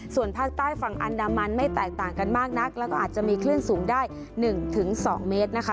ส่วนภาคใต้ฝั่งอันดามันไม่แตกต่างกันมากนักแล้วก็อาจจะมีคลื่นสูงได้๑๒เมตรนะคะ